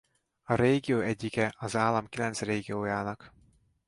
A régió egyike az állam kilenc régiójának.